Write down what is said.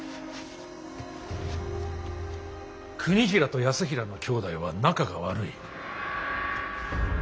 国衡と泰衡の兄弟は仲が悪い。